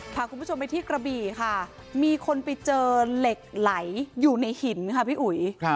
พาคุณผู้ชมไปที่กระบี่ค่ะมีคนไปเจอเหล็กไหลอยู่ในหินค่ะพี่อุ๋ย